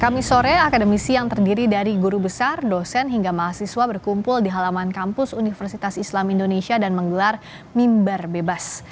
kami sore akademisi yang terdiri dari guru besar dosen hingga mahasiswa berkumpul di halaman kampus universitas islam indonesia dan menggelar mimbar bebas